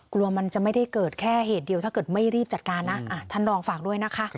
กลัวมันจะไม่ได้เกิดแค่เหตุเดียว